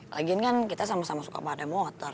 lagian kan kita sama sama suka pada motor